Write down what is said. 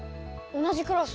同じクラス。